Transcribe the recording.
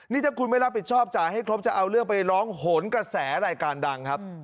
นี่ถ้าคุณไม่รับผิดชอบจ่ายให้ครบจะเอาเรื่องไปร้องโหนกระแสรายการดังครับ